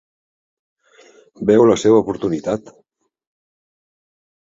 Veu la seva oportunitat.